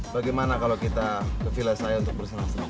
bagaimana kalau kita ke villa saya untuk bersenang senang